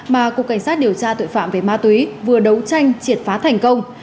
mà cục cảnh sát điều tra tội phạm về ma túy vừa đấu tranh triệt phá thành công